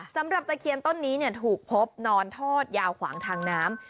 สำหรับตะเคียนต้นนี้เนี่ยถูกพบนอนทอดยาวขวางทางน้ำ